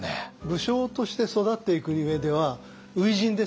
武将として育っていく上では初陣ですよね。